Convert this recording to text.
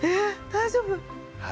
大丈夫！